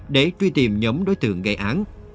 để truy tìm nhóm đối tượng gây án